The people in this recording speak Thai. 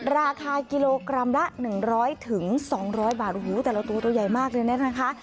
ราคากิโลกรัมละหนึ่งร้อยถึงสองร้อยบาทอู๋แต่เราตัวใหญ่มากเลยแน่นะคะ